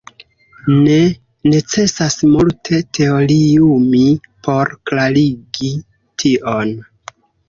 Ne necesas multe teoriumi por klarigi tion.